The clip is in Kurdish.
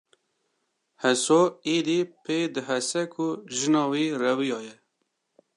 Heso êdî pê dihese ku jina wî reviyaye